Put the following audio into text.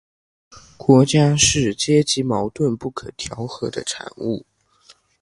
国家是阶级矛盾不可调和的产物